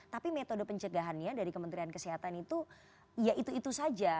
tapi metode pencegahannya dari kementerian kesehatan itu ya itu itu saja